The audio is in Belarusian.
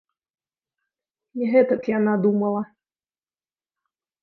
Не гэтак яна думала.